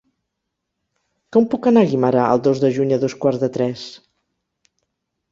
Com puc anar a Guimerà el dos de juny a dos quarts de tres?